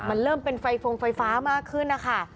มันเริ่มเป็นไฟฟงไฟฟ้ามากขึ้นนะคะ